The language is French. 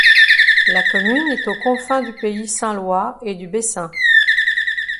La commune est aux confins du Pays saint-lois et du Bessin.